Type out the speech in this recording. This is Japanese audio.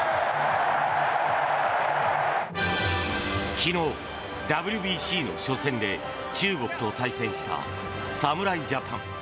昨日、ＷＢＣの初戦で中国と対戦した侍ジャパン。